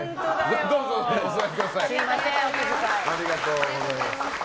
どうぞお座りください。